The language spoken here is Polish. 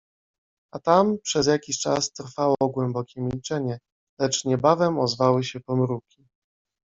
A tam przez jakiś czas trwało głębokie milczenie, lecz niebawem ozwały się pomruki.